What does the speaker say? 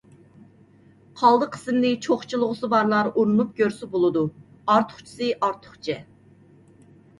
قالدى قىسمىنى چۇخچىلىغۇسى بارلار ئۇرۇنۇپ كۆرسە بولىدۇ. ئارتۇقچىسى ئارتۇقچە.